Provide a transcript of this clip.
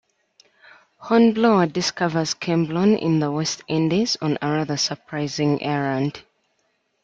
Hornblower discovers Cambronne in the West Indies on a rather surprising errand.